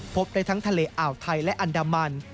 พบได้ทั้งทะเลอ่าวไทยและอันดามัน